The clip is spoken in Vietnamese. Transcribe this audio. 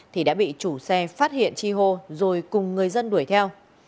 thì đã bị chủ xe phát hiện chi hô rồi cùng người dân đuổi theo